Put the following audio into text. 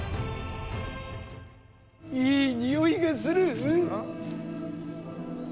いい匂いがする。